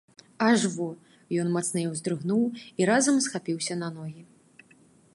Аж во, ён мацней уздрыгнуў і разам схапіўся на ногі.